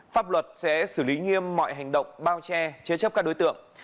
pháp luật sẽ xử lý nghiêm mọi hành động bao che chế chấp các đối tượng